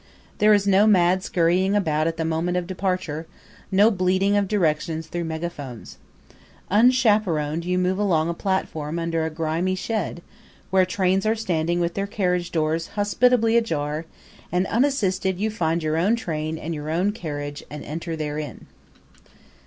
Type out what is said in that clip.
There is no mad scurrying about at the moment of departure, no bleating of directions through megaphones. Unchaperoned you move along a long platform under a grimy shed, where trains are standing with their carriage doors hospitably ajar, and unassisted you find your own train and your own carriage, and enter therein.